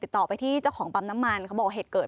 ติดต่อไปที่เจ้าของปั๊มน้ำมันเขาบอกว่าเหตุเกิด